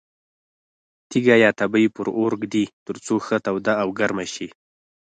تیږه یا تبۍ پر اور ږدي ترڅو ښه توده او ګرمه شي.